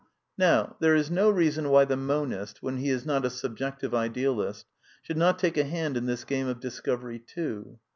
Now, there is no reason why iiie monist (when he is not a Subjective Idealist) should not take a hand in this game of discovery, too.